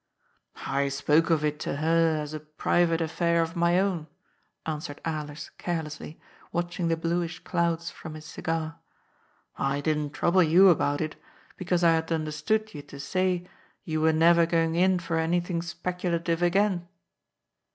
'*" I spoke of it to her as a priyate affair of my own,'* answered Alers carelessly, watching the bluish clouds from his cigar. " I didn't trouble you about it, because I had understood you to say you were neyer going in for anything speculatiye again."